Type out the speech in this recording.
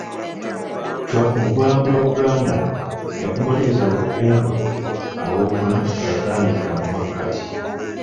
Chwa okulambula Buganda yakumaliriza mu lugendo lwe olw'okuna lwe yatandikira mu makkati.